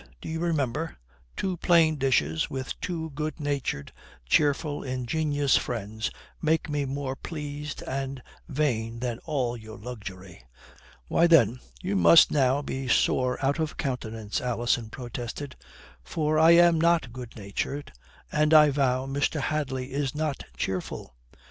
"Do you remember? 'Two plain dishes with two good natured, cheerful, ingenious friends make me more pleased and vain than all your luxury.'" "Why, then, you must now be sore out of countenance," Alison protested. "For I am not good natured and I vow Mr. Hadley is not cheerful."